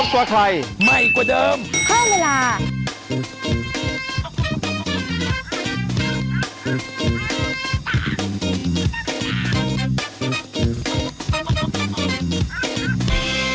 กระแบบกระแบบ